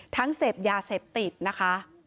เสพยาเสพติดนะคะ